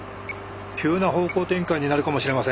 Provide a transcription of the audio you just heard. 急な方向転換になるかもしれません。